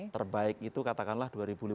terbaik itu katakanlah dua ribu lima belas